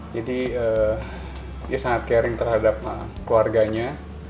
jadi sangat caring terhadap keluarganya